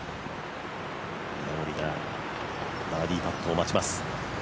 稲森が、バーディーパットを待ちます。